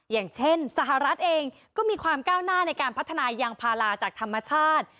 อย่างเช่นสหรัฐเองก็มีความก้าวหน้าในการพัฒนายางพาราจากธรรมชาติ